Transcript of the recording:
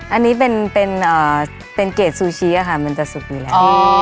อันนี้เป็นเกรดซูชิค่ะมันจะสุกอยู่แล้ว